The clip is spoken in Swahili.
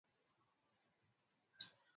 Homa inayojirudiarudia